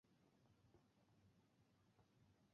উদাহরণস্বরূপ, এই বাক্যাংশটি কেন আপনি এত পছন্দ করেন?